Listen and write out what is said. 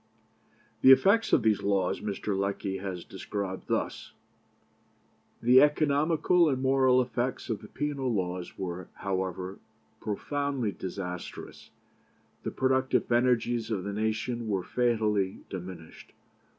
'" The effects of these laws Mr. Lecky has described thus: "The economical and moral effects of the penal laws were, however, profoundly disastrous. The productive energies of the nation were fatally diminished.